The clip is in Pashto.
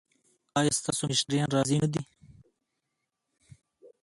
ایا ستاسو مشتریان راضي نه دي؟